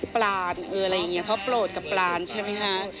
ปลานอะไรอย่างนี้เพราะโปรดกับปลานใช่ไหมคะ